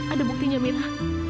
ada buktinya mira